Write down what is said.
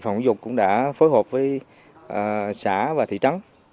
phòng ủng hộ cũng đã phối hợp với xã và thị trấn